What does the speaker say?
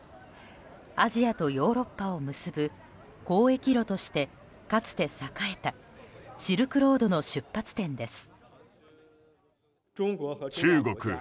アジアとヨーロッパを結ぶ交易路としてかつて栄えたシルクロードの出発点です。